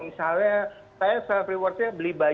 misalnya saya self rewards nya beli